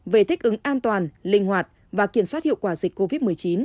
về thích ứng an toàn linh hoạt và kiểm soát hiệu quả dịch covid một mươi chín